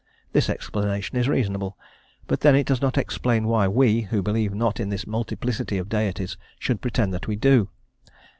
This explanation is reasonable, but then it does not explain why we, who believe not in this multiplicity of deities should pretend that we do.